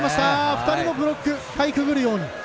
２人のブロックをかいくぐるように。